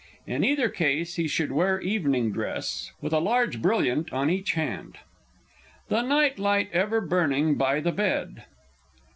In either case he should wear evening dress, with a large brilliant on each hand. THE NIGHT LIGHT EVER BURNING BY THE BED.